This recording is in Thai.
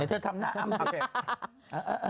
ไหนเธอทำหน้าอ้ำ